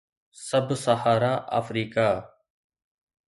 sub سهارا Africa